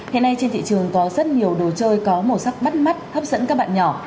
hiện nay trên thị trường có rất nhiều đồ chơi có màu sắc bắt mắt hấp dẫn các bạn nhỏ